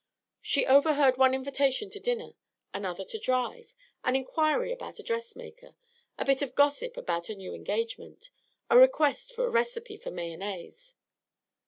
She overheard one invitation to dinner, another to drive, an inquiry about a dressmaker, a bit of gossip about a new engagement, a request for a recipe for mayonnaise.